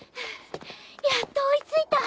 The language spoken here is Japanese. やっと追いついた。